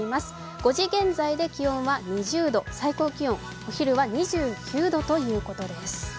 ５時現在で気温は２０度、最高気温お昼は２９度ということです。